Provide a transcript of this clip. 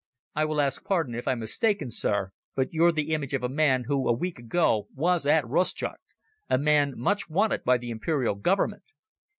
"I will ask pardon if I'm mistaken, Sir, but you're the image of a man who a week ago was at Rustchuk, a man much wanted by the Imperial Government."